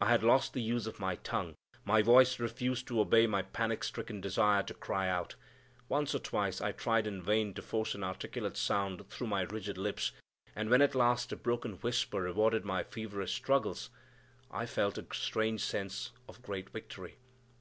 I had lost the use of my tongue, my voice refused to obey my panic stricken desire to cry out; once or twice I tried in vain to force an articulate sound through my rigid lips; and when at last a broken whisper rewarded my feverish struggles, I felt a strange sense of great victory.